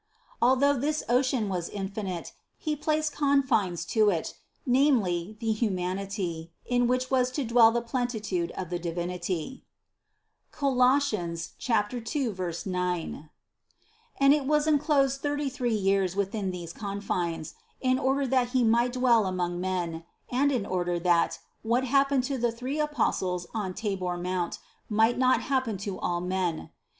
Although this ocean was infinite, He placed confines to it, namely, the humanity, in which was to dwell the plenitude of the 72 CITY OF GOD Divinity (Col. 2, 9) ; and it was enclosed thirty three years within these confines, in order that He might dwell among men, and in order that, what happened to the three Apostles on Tabor mount might not happen to all men.